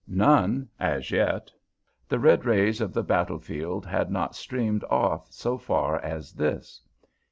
None as yet; the red rays of the battle field had not streamed off so far as this.